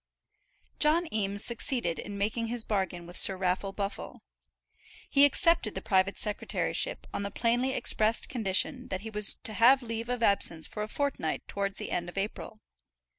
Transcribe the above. John Eames succeeded in making his bargain with Sir Raffle Buffle. He accepted the private secretaryship on the plainly expressed condition that he was to have leave of absence for a fortnight towards the end of April.